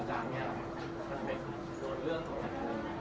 อ๋อขออนุญาตเป็นในเรื่องของการสอบสวนปากคำแพทย์ผู้ที่เกี่ยวข้องให้ชัดแจ้งอีกครั้งหนึ่งนะครับ